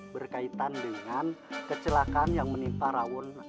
berkaitan dengan kecelakaan yang menimpa rawon